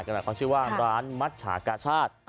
แหละเขาชื่อว่าร้านมัชชากาชาติ